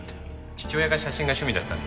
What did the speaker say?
父親が写真が趣味だったので。